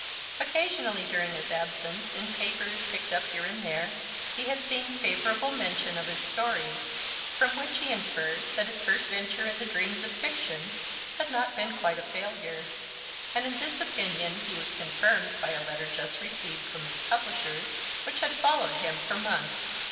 Occasionally during his absence, in papers picked up here and there, he had seen favorable mention of his story, from which he inferred that his first venture in the realms of fiction had not been quite a failure, and in this opinion he was confirmed by a letter just received from his publishers, which had followed him for months.